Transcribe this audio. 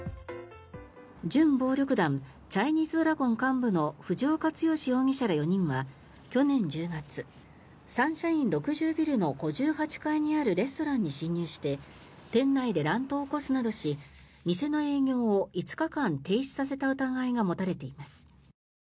準暴力団チャイニーズドラゴン幹部の藤岡剛容疑者ら４人は去年１０月サンシャイン６０ビルの５８階にあるレストランに侵入して店内で乱闘を起こすなどし店の営業を５日間停止させた疑いが持たれています。